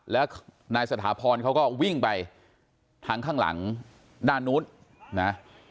แล้วนายสถาพรเขาก็วิ่งไปทางข้างหลังด้านนู้นนะ